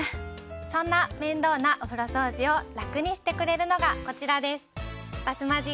そんな面倒なお風呂掃除を楽にしてくれるのがこちらです。